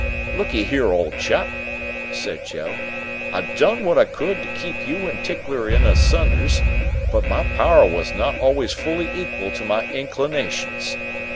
"Lookee here, old chap," said Joe. "I done what I could to keep you and Tickler in sunders, but my power were not always fully equal to my inclinations.